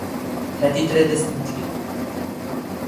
ⵀⴰⵜ ⵉ ⵜⵔⴰ ⴰⴷ ⴰⵙ ⵜⵏ ⵜⴳ.